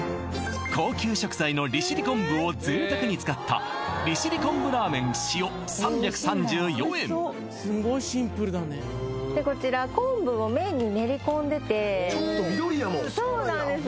高級食材の利尻昆布を贅沢に使った利尻昆布ラーメン塩３３４円こちらそうなんです